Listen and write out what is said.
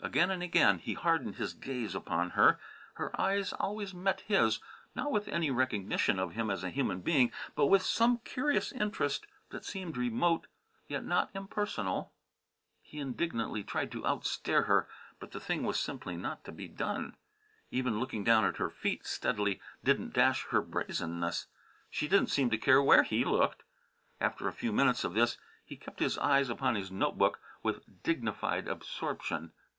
Again and again he hardened his gaze upon her. Her eyes always met his, not with any recognition of him as a human being, but with some curious interest that seemed remote yet not impersonal. He indignantly tried to out stare her, but the thing was simply not to be done. Even looking down at her feet steadily didn't dash her brazenness. She didn't seem to care where he looked. After a very few minutes of this he kept his eyes upon his note book with dignified absorption.